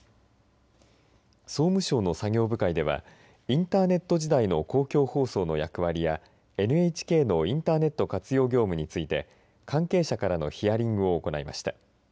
総務省の作業部会ではインターネット時代の公共放送の役割やＮＨＫのインターネット活用業務について関係者からのヒアリングを行いました。